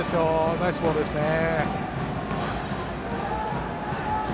ナイスボールですね。